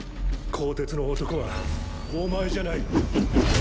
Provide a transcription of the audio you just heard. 鋼鉄の男はお前じゃない。